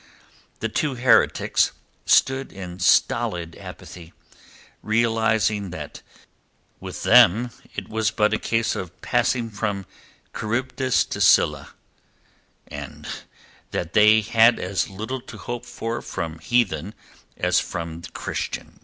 The two heretics stood in stolid apathy, realizing that with them it was but a case of passing from Charybdis to Scylla, and that they had as little to hope for from heathen as from Christian.